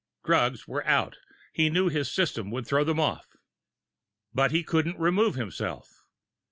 Drugs were out he knew his system could throw them off. But he couldn't remove himself!